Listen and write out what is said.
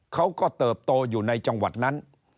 เติบโตอยู่ในจังหวัดนั้น